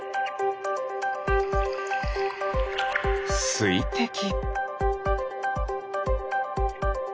すいてき。